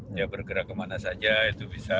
dia bergerak ke mana saja itu bisa